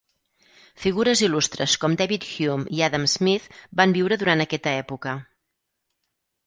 Figures il·lustres com David Hume i Adam Smith van viure durant aquesta època.